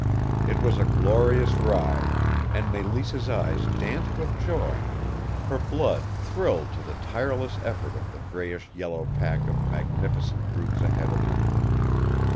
It was a glorious ride, and Mélisse's eyes danced with joy. Her blood thrilled to the tireless effort of the grayish yellow pack of magnificent brutes ahead of her.